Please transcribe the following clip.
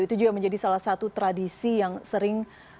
itu juga menjadi salah satu tradisi yang sering